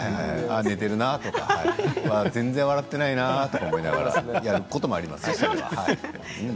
寝ているな全然笑ってないなと思いながらやることもありますよ。